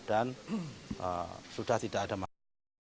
dan sudah tidak ada masalah